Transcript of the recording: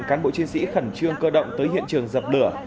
cán bộ chiến sĩ khẩn trương cơ động tới hiện trường dập lửa